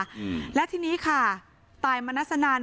อืมแล้วทีนี้ค่ะตายมณัสนัน